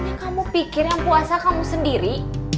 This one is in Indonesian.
yang kamu pikir yang puasa kamu sendiri